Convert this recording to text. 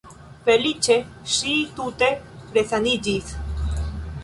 Feliĉe ŝi tute resaniĝis.